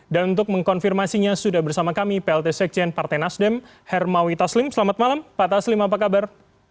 dan untuk mengkonfirmasinya sudah bersama kami plt sekjen partai nasdem hermawi taslim selamat malam pak taslim apa kabar